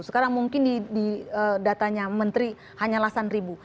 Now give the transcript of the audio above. sekarang mungkin di datanya menteri hanya belasan ribu